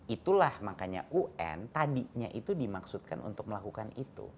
itulah makanya un tadinya itu dimaksudkan untuk melakukan itu